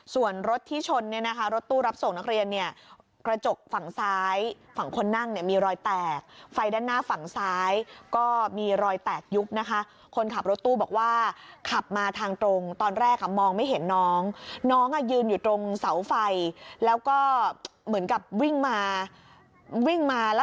ส่วนรถที่ชนเนี่ยนะคะรถตู้รับส่งนักเรียนเนี่ยกระจกฝั่งซ้ายฝั่งคนนั่งเนี่ยมีรอยแตกไฟด้านหน้าฝั่งซ้ายก็มีรอยแตกยุคนะคะคนขับรถตู้บอกว่าขับมาทางตรงตอนแรกอ่ะมองไม่เห็นน้องน้องอ่ะยืนอยู่ตรงเสาไฟแล้วก็เหมือนกับวิ่งมาวิ่งมาแล้วหลังจากนี้ก็มีรอยแตกยุคนะคะคนขับรถตู้บอกว่าขับมาทางตรงตอนแรกอ